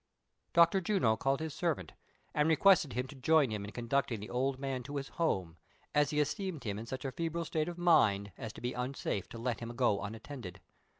THE CONSPIRATORS AND LOVERS. 119 Dr. Juno called his servant, and requested him to join him in conducting the old man to his home, as he esteemed him in such a febrile state of mind, as to be unsafe to let him go unattended.